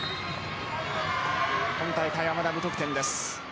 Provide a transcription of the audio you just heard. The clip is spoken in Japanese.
今大会はまだ無得点です。